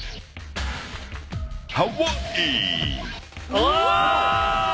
うわ！